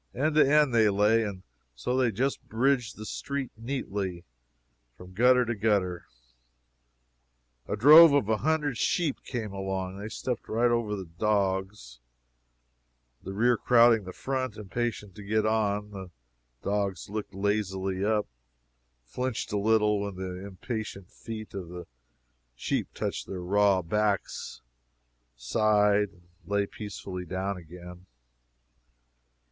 End to end they lay, and so they just bridged the street neatly, from gutter to gutter. A drove of a hundred sheep came along. They stepped right over the dogs, the rear crowding the front, impatient to get on. The dogs looked lazily up, flinched a little when the impatient feet of the sheep touched their raw backs sighed, and lay peacefully down again.